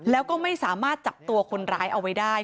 แล้วก็ไม่สามารถจับตัวคนร้ายเอาไว้ได้